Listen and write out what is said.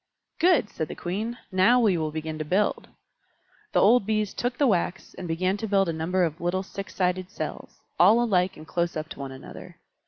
"Good!" said the Queen. "Now we will begin to build." The old Bees took the wax, and began to build a number of little six sided cells, all alike and close up to one another.